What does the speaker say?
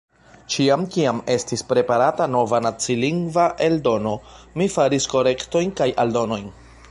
Ĉiam, kiam estis preparata nova nacilingva eldono, mi faris korektojn kaj aldonojn.